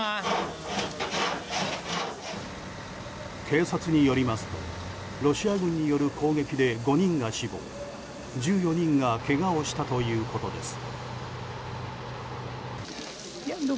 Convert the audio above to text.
警察によりますとロシア軍による攻撃で５人が死亡１４人がけがをしたということです。